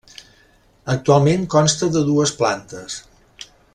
Actualment consta de dues plantes.